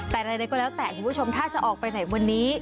แต่ใดก็แล้วแต่คุณผู้ชมถ้าจะออกไปไหนวันนี้